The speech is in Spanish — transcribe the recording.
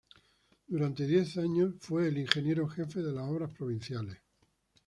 Durante diez años fue el ingeniero jefe de las Obras Provinciales.